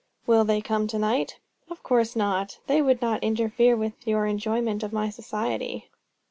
"Will they come to night?" "Of course not! They would not interfere with your enjoyment of my society."